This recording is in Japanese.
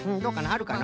あるかな？